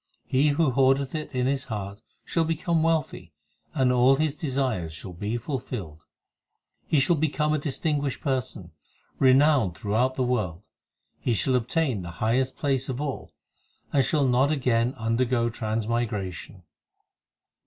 He who hoardeth it in his heart shall become wealthy, And all his desires shall be fulfilled ; He shall become a distinguished person, renowned through out the world ; He shall obtain the highest place of all, And shall not again undergo transmigration.